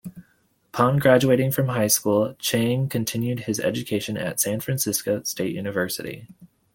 Upon graduating from high school, Chang continued his education at San Francisco State University.